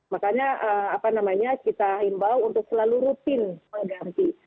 makanya apa namanya kita himbau untuk selalu rutin mengganti